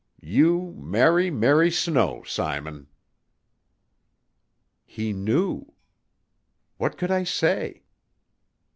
You marry Mary Snow, Simon." He knew. What could I say?